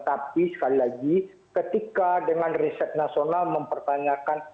tapi sekali lagi ketika dengan riset nasional mempertanyakan